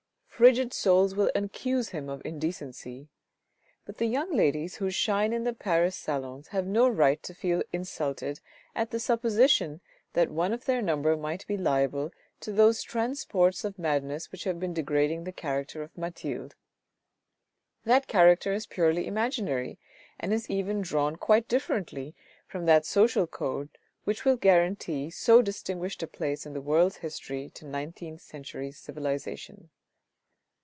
Frigid souls will accuse him of indecency. But the young ladies who shine in the Paris salons have no right to feel insulted at the supposition that one of their number might be liable to those transports of madness which have been de grading the character of Mathilde. That character is purely imaginary, and is even drawn quite differently from that social code which will guarantee so distinguished a place in the world's history to nineteenth century civilization.